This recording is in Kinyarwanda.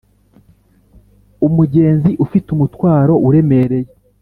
umugenzi ufite umutwaro uremereye